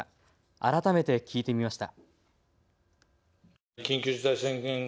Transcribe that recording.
改めて聞いてみました。